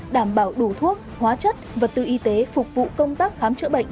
đảm bảo đủ thuốc hóa chất vật tư y tế phục vụ công tác khám chữa bệnh